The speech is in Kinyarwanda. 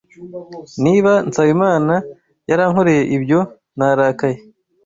Niba Nsabimana yarankoreye ibyo, narakaye.